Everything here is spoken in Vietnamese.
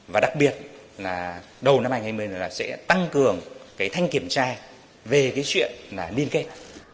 và đặc biệt là đầu năm hai nghìn một mươi chín là sẽ tăng cường cái thanh kiểm tra về cái chuyện là liên kết